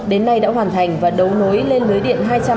đến nay đã hoàn thành và đấu nối lên lưới điện